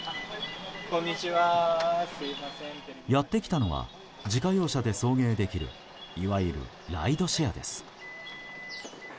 やってきたのは自家用車で送迎できるいわゆるライドシェアです。